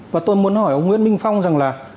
và tôi muốn hỏi ông nguyễn minh phong rằng là